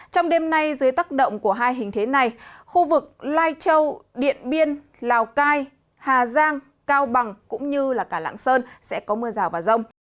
trong đêm nay dưới tác động của hai hình thế này khu vực lai châu điện biên lào cai hà giang cao bằng cũng như cả lãng sơn sẽ có mưa rào và rông